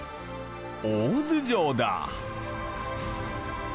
大洲城だ。